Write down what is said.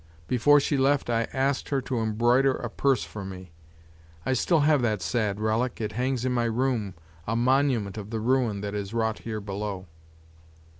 Before she left I asked her to embroider a purse for me. I still have that sad relic, it hangs in my room a monument of the ruin that is wrought here below.